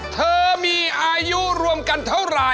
เธอมีอายุรวมกันเท่าไหร่